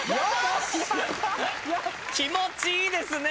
気持ちいいですね！